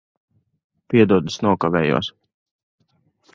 Piedod, es nokavējos.